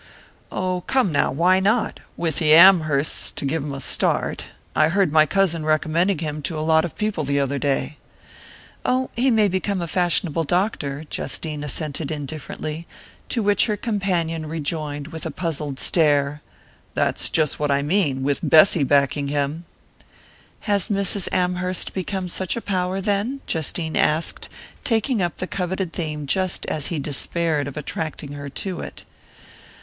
"Oh, come now why not? With the Amhersts to give him a start I heard my cousin recommending him to a lot of people the other day " "Oh, he may become a fashionable doctor," Justine assented indifferently; to which her companion rejoined, with a puzzled stare: "That's just what I mean with Bessy backing him!" "Has Mrs. Amherst become such a power, then?" Justine asked, taking up the coveted theme just as he despaired of attracting her to it.